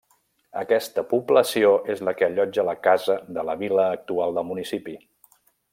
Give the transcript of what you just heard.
Aquesta població és la que allotja la casa de la vila actual del municipi.